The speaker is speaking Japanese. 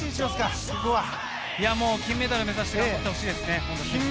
金メダルを目指して頑張ってほしいですね。